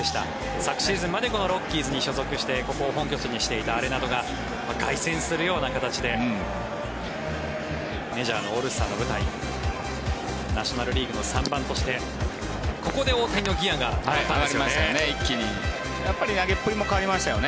昨シーズンまでこのロッキーズに所属してここを本拠地にしていたアレナドが凱旋するような形でメジャーのオールスターの舞台にナショナル・リーグの３番としてここで大谷のギアがまた上がりましたよね。